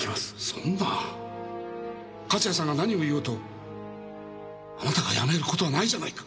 そんな勝谷さんが何を言おうとあなたが辞める事はないじゃないか。